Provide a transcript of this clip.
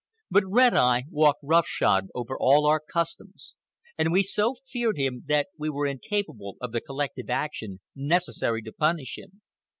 But Red Eye walked rough shod over all our customs, and we so feared him that we were incapable of the collective action necessary to punish him.